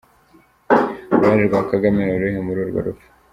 uruhare rwa kagame ni uruhe muri urwo rupfu?